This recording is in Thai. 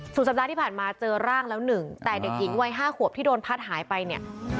สัปดาห์ที่ผ่านมาเจอร่างแล้วหนึ่งแต่เด็กหญิงวัย๕ขวบที่โดนพัดหายไปเนี่ย